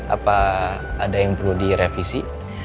apa ada yang perlu direvisi